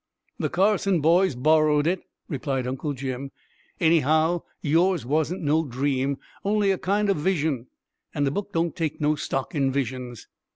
"The Carson boys borrowed it," replied Uncle Jim. "Anyhow, yours wasn't no dream only a kind o' vision, and the book don't take no stock in visions."